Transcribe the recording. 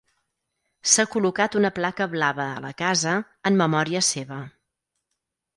S'ha col·locat una placa blava a la casa en memòria seva.